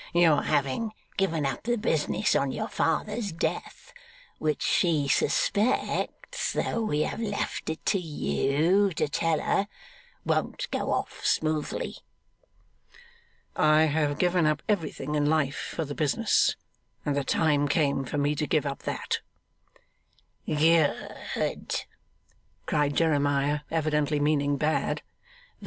'Your having given up the business on your father's death which she suspects, though we have left it to you to tell her won't go off smoothly.' 'I have given up everything in life for the business, and the time came for me to give up that.' 'Good!' cried Jeremiah, evidently meaning Bad.